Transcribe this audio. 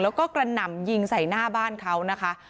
แล้วก็กระหน่ำยิงใส่หน้าบ้านเขานะคะ